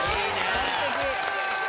完璧・